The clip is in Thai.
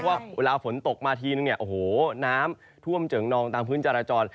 ว่าเวลาฝนตกมาทีนึงเนี่ยโอ้โหน้ำท่วมเจิงนองตามพื้นจราจร